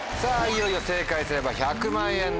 いよいよ正解すれば１００万円です。